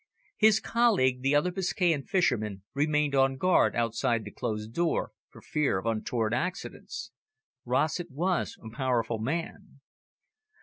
His colleague, the other Biscayan fisherman, remained on guard outside the closed door, for fear of untoward accidents. Rossett was a powerful man.